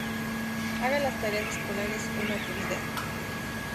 Haga las tareas escolares una prioridad.